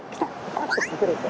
パッと隠れて。